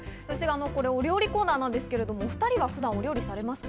お料理コーナーなんですけれども、お２人は普段、料理をされますか？